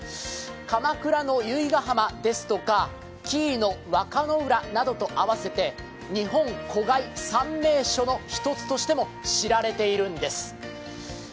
鎌倉の由比ガ浜ですとか紀伊の和歌浦と合わせて日本小貝三名所の１つとしても知られているんです。